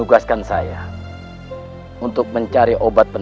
orang orang yang menjadi mother